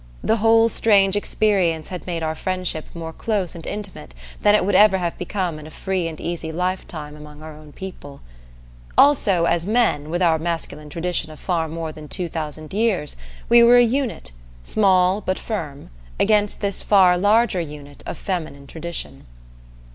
The whole strange experience had made our friendship more close and intimate than it would ever have become in a free and easy lifetime among our own people. Also, as men, with our masculine tradition of far more than two thousand years, we were a unit, small but firm, against this far larger unit of feminine tradition.